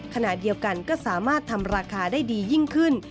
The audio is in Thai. ขณะเดียวกันก็สามารถทำราคาได้ดียิ่งขึ้น